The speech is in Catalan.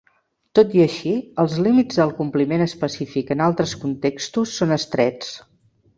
Tot i així, els límits del "compliment específic" en altres contextos són estrets.